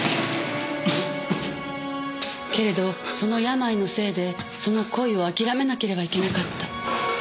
けれどその病のせいでその恋を諦めなければいけなかった。